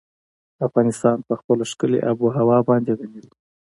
افغانستان په خپله ښکلې آب وهوا باندې غني دی.